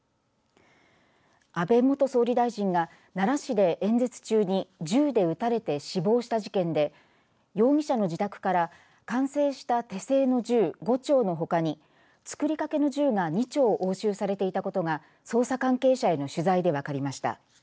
安倍元総理大臣が奈良市で演説中に銃で撃たれて死亡した事件で容疑者の自宅から完成した手製の銃５丁のほかに作りかけの銃が２丁を押収されていたことが捜査関係者への取材で分かりました。